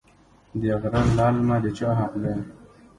د غره للمه د چا حق دی؟